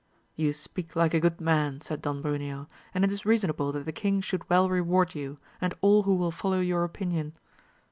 You speak like a good man, said Don Bruneo, and it is reasonable that the king should well reward you, and all who will follow your opinion.